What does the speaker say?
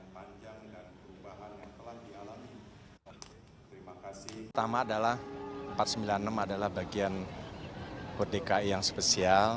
pertama adalah empat ratus sembilan puluh enam adalah bagian hud dki yang spesial